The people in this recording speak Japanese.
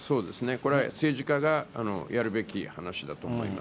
政治家がやるべき話だと思います。